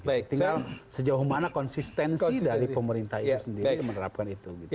tinggal sejauh mana konsistensi dari pemerintah itu sendiri menerapkan itu